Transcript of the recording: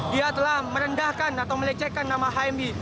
dia telah merendahkan atau melecehkan nama hmi